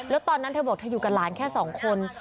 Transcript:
แล้วตอนนั้นเธอบอกเธออยู่กับหลานแค่สองคน